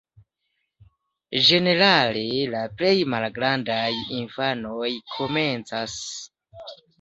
Ĝenerale la plej malgrandaj infanoj komencas.